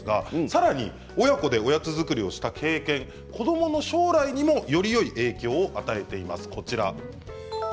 さらに親子でおやつ作りをした経験は子どもの将来にもよい影響を与えています。